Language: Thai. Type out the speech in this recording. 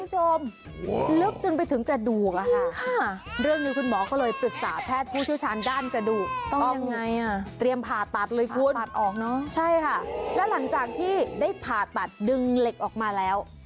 หล่างจากที่ได้ผ่าตัดดึงเล็กออกมาแล้ว